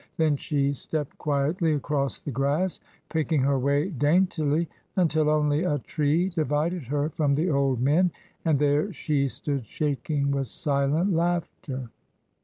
Then she stepped quietly across the grass, picking her way daintily, until only a tree divided her from the old men; and there she stood shaking with silent laughter.